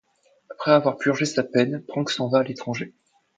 Après avoir purgé sa peine, Prank s'en va à l'étranger.